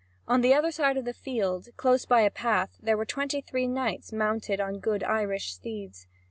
On the other side of the field, close by a path, there were twenty three knights mounted on good Irish steeds.